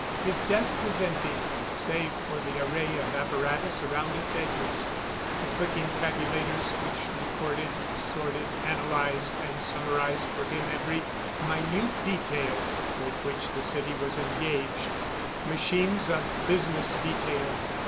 His desk was empty, save for the array of apparatus around its edges the clicking tabulators which recorded, sorted, analyzed and summarized for him every minute detail with which the city was engaged. Machines of business detail.